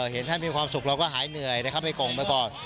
เห็นท่านมีความสุขเราก็หายเหนื่อยแต่เข้าไปกงไปก่อน